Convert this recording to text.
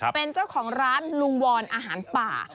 เป็นเจ้าของร้านลุงวรอาหารป่า